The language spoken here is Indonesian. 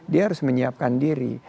dia harus menyiapkan diri